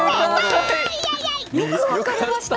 よく分かりましたね。